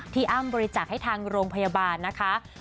อ้ำบริจาคให้ทางโรงพยาบาลนะคะ